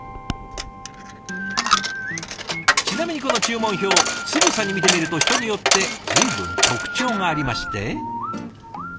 ちなみにこの注文表つぶさに見てみると人によって随分特徴がありまして。